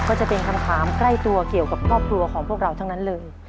ก็จะเป็นคำถามใกล้ตัวเกี่ยวกับครอบครัวของพวกเราทั้งนั้นเลย